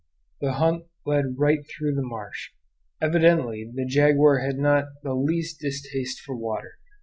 The hunt led right through the marsh. Evidently the jaguar had not the least distaste for water.